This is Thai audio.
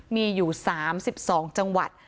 มีอยู่๓๒จังหวัด